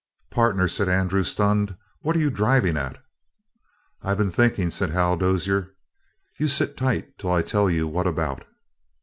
"Partner," said Andrew, stunned, "what are you drivin' at?" "I've been thinking," said Hal Dozier. "You sit tight till I tell you what about."